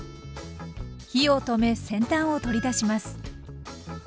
火を止め先端を取り出します。